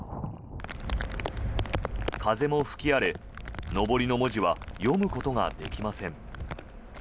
風も吹き荒れ、のぼりの文字は読むことができません。